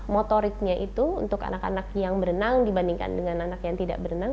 motoriknya itu untuk anak anak yang berenang dibandingkan dengan anak yang tidak berenang